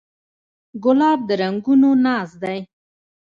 ګلاب د رنګونو ناز دی.